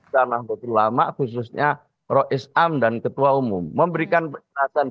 karena betul lama khususnya roh islam dan ketua umum memberikan penjelasan